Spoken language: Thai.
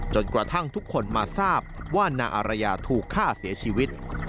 จนกระทั่งทุกคนมาทราบว่านางอารยาถูกฆ่าเสียชีวิต